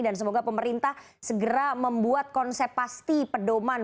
dan semoga pemerintah segera membuat konsep pasti pedoman